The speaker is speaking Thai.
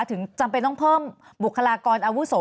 ถึงจำเป็นต้องเพิ่มบุคลากรอาวุโส